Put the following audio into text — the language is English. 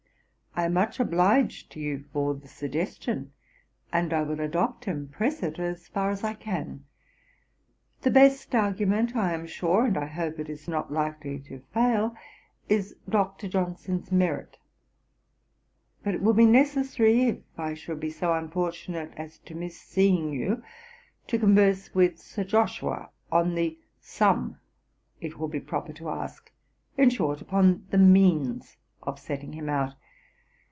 I am much obliged to you for the suggestion; and I will adopt and press it as far as I can. The best argument, I am sure, and I hope it is not likely to fail, is Dr. Johnson's merit. But it will be necessary, if I should be so unfortunate as to miss seeing you, to converse with Sir Joshua on the sum it will be proper to ask, it short, upon the means of setting him out.